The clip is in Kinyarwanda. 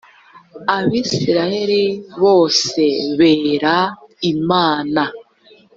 abisirayeli bose bera imana.